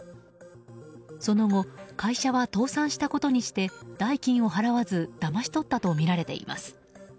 その後、会社は倒産したことにし代金を支払わずだまし取ったとみられています。